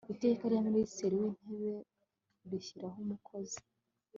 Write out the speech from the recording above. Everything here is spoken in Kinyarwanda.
iteka rya minisitiri w'intebe rishyiraho umukozi